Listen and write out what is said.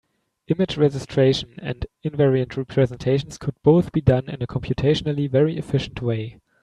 Image registration and invariant representations could both be done in a computationally very efficient way.